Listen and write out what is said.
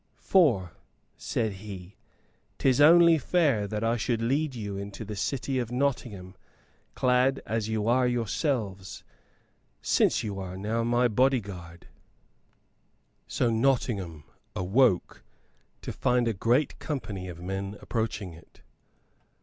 "For," said he, "'tis only fair that I should lead you into the city of Nottingham clad as you are yourselves, since now you are my bodyguard." So Nottingham awoke to find a great company of men approaching it.